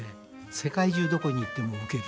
世界中どこに行っても受ける。